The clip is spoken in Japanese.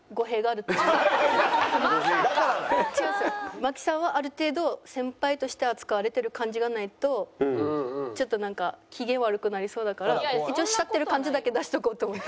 麻貴さんはある程度先輩として扱われてる感じがないとちょっとなんか機嫌悪くなりそうだから一応慕ってる感じだけ出しとこうと思って。